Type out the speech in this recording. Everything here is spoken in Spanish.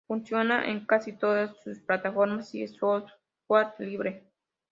Funciona en casi toda las plataformas y es software libre.